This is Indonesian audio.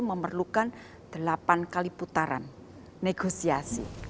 memerlukan delapan kali putaran negosiasi